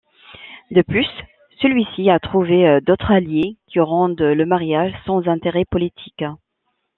De plus, celui-ci a trouvé d'autres alliés qui rendent le mariage sans intérêt politique.